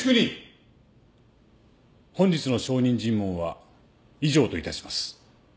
本日の証人尋問は以上といたします。